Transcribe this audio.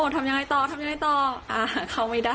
ทำยังไงต้อง